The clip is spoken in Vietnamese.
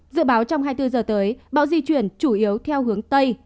dự báo trong hai mươi bốn giờ tới bão di chuyển chủ yếu theo hướng tây